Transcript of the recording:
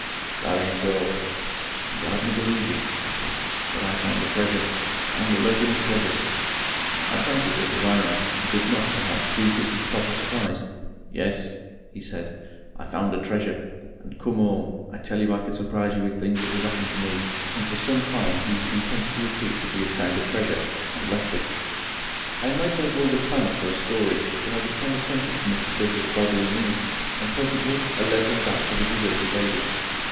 "That ain't all. "You'd 'ardly believe it," he said, "but I found a treasure. Found a regular treasure." I fancied this was irony, and did not, perhaps, greet it with proper surprise. "Yes," he said, "I found a treasure. And come 'ome. I tell you I could surprise you with things that has happened to me." And for some time he was content to repeat that he had found a treasure and left it. I made no vulgar clamour for a story, but I became attentive to Mr. Brisher's bodily needs, and presently I led him back to the deserted lady.